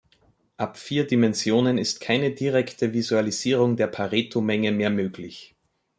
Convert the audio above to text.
Ab vier Dimensionen ist keine direkte Visualisierung der Pareto-Menge mehr möglich.